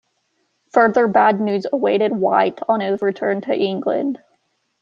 Further bad news awaited White on his return to England.